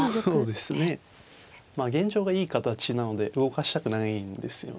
まあ現状がいい形なので動かしたくないんですよね。